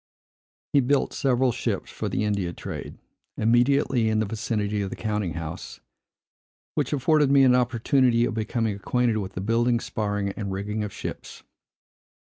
He built several ships for the India trade, immediately in the vicinity of the counting house; which afforded me an opportunity of becoming acquainted with the building, sparring, and rigging of ships.